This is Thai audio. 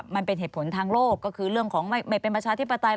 มันเป็นเหตุผลทางโลกก็คือเรื่องของไม่เป็นประชาธิปไตย